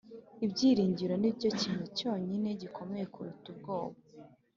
ibyiringiro nicyo kintu cyonyine gikomeye kuruta ubwoba.